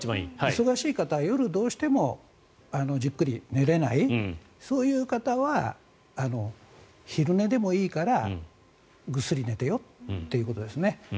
忙しい方は夜どうしてもじっくり寝られないそういう方は昼寝でもいいからぐっすり寝てよということですね。